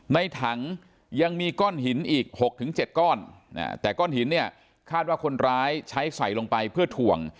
ในถังยังมีก้อนหินอีก๖๗ก้อนแต่ก้อนหินเนี่ยคาดว่าคนร้ายใช้ใส่ลงไปเพื่อถ่วง